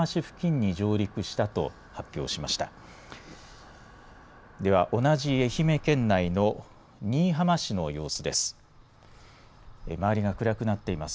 では同じ愛媛県内の新居浜市の様子です。